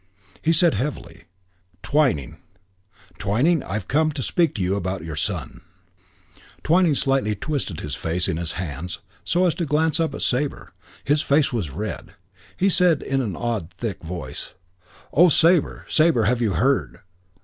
He said heavily, "Twyning. Twyning, I've come to speak to you about your son." Twyning slightly twisted his face in his hands so as to glance up at Sabre. His face was red. He said in an odd, thick voice, "Oh, Sabre, Sabre, have you heard?"